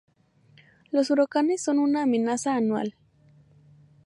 Los huracanes son una amenaza anual.